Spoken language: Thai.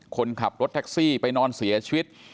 คนขับรถแท็กซี่ไปนอนเสียชีวิต